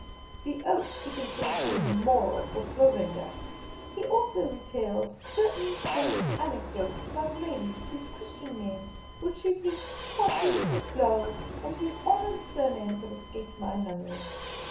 The Oaks he considered " a moral " for Clorinda. He also retailed certain choice anec dotes about ladies whose Christian names were chiefly Tottie and Flo, and whose honoured surnames have escaped my memory.